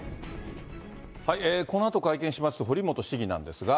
このあと会見します堀本市議なんですが。